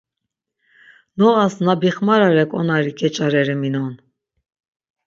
Noğas na bixmarare ǩonari geç̌areri minon.